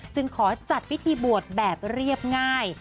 จึงขอจัดพิธีบวชแบบเรียบง่าย